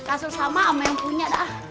kasus sama apa yang punya dah